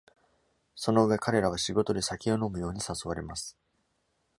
そのうえ、彼らは仕事で酒を飲むように誘われます。